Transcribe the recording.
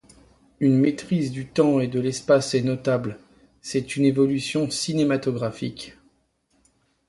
Une maîtrise du temps et de l'espace est notable, c'est une évolution cinématographique.